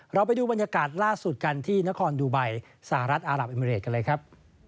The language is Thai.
เราไปดูบรรยากาศล่าสุดกันที่นครดูไบสหรัฐอารับเอมิเรดกันเลยครับ